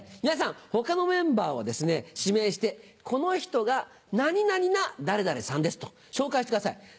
皆さん他のメンバーを指名して「この人が何々な誰々さんです」と紹介してください。